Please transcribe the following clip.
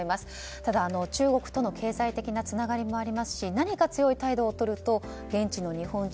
ただ、中国との経済的なつながりもありますし何か強い態度をとると現地の日本人